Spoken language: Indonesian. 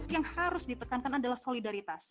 yang harus ditekankan adalah solidaritas